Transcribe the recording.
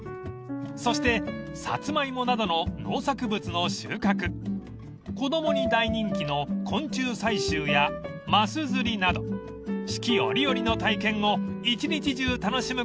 ［そしてサツマイモなどの農作物の収穫子供に大人気の昆虫採集やマス釣りなど四季折々の体験を一日中楽しむことができます］